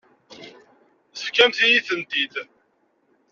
Tefkamt-iyi-tent-id.